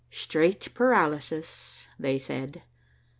"Straight paralysis, they said.